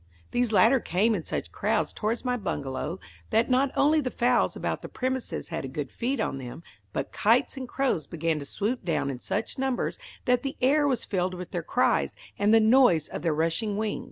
These latter came in such crowds toward my bungalow that not only the fowls about the premises had a good feed on them, but kites and crows began to swoop down in such numbers that the air was filled with their cries and the noise of their rushing wings.